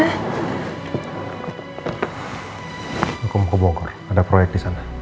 hukum ke bogor ada proyek disana